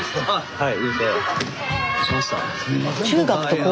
はい。